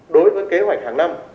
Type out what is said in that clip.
đối với kế hoạch hàng năm